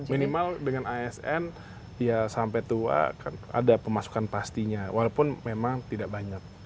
minimal dengan asn ya sampai tua kan ada pemasukan pastinya walaupun memang tidak banyak